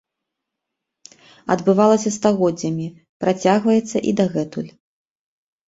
Адбывалася стагоддзямі, працягваецца і дагэтуль.